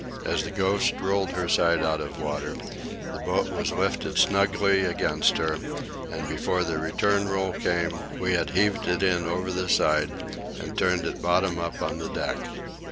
As the Ghost rolled her side out of water, the boat was lifted snugly against her, and before the return roll came, we had heaved it in over the side and turned it bottom up on the deck.